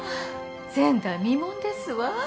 前代未聞ですわ。